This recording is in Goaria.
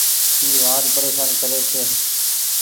اي وآت پريشان ڪري ڇي۔